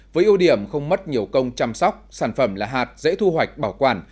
với ưu điểm không mất nhiều công chăm sóc sản phẩm là hạt dễ thu hoạch bảo quản